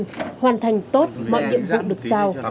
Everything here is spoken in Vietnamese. cán bộ chiến sĩ công an hoàn thành tốt mọi nhiệm vụ được giao